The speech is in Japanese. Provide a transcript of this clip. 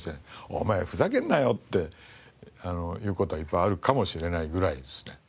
「お前ふざけるなよ！」っていう事はいっぱいあるかもしれないぐらいですね。